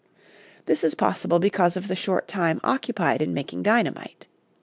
This is possible because of the short time occupied in making dynamite.